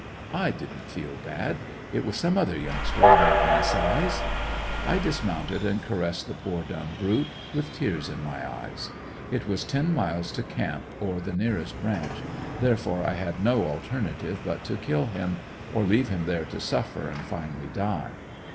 I didn't feel bad; it was some other youngster about my size. I dismounted and caressed the poor dumb brute, with tears in my eyes. It was ten miles to camp or the nearest ranch, therefore I had no alternative but to kill him or leave him there to suffer and finally die.